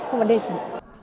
không có đề phụ